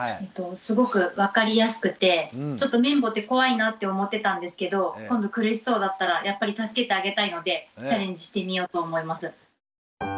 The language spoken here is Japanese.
すごく分かりやすくてちょっと綿棒って怖いなって思ってたんですけど今度苦しそうだったらやっぱり助けてあげたいのでチャレンジしてみようと思います。